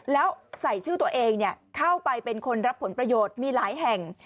แล้วใส่ชื่อตัวเองเข้าไปเป็นคนรับผลประโยชน์มีหลายแห่ง